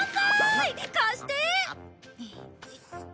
貸して！